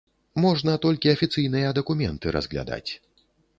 Можна толькі афіцыйная дакументы разглядаць.